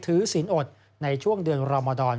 ถือสินอดในช่วงเดือนรามาดอน